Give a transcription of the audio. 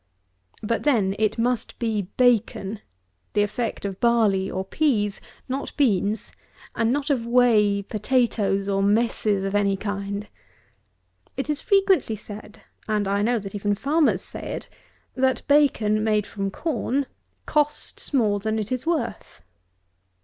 But, then, it must be bacon, the effect of barley or peas, (not beans,) and not of whey, potatoes, or messes of any kind. It is frequently said, and I know that even farmers say it, that bacon, made from corn, costs more than it is worth!